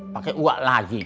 pake uak lagi